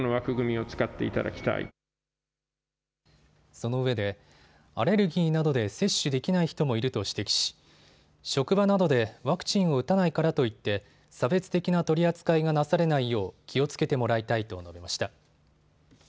そのうえでアレルギーなどで接種できない人もいると指摘し職場などでワクチンを打たないからといって差別的な取り扱いがなされないよう気をつけてもらいたいと述べました。